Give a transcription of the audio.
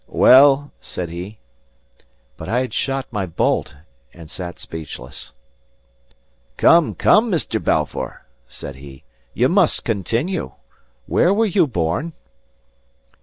"Well?" said he. But I had shot my bolt and sat speechless. "Come, come, Mr. Balfour," said he, "you must continue. Where were you born?"